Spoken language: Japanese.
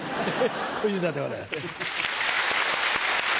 小遊三でございます。